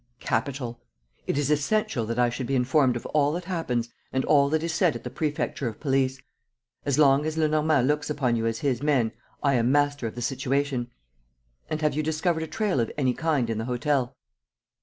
"Capital. It is essential that I should be informed of all that happens and all that is said at the Prefecture of Police. As long as Lenormand looks upon you as his men, I am master of the situation. And have you discovered a trail of any kind in the hotel?"